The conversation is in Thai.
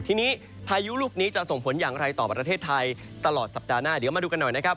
ทีนี้พายุลูกนี้จะส่งผลอย่างไรต่อประเทศไทยตลอดสัปดาห์หน้าเดี๋ยวมาดูกันหน่อยนะครับ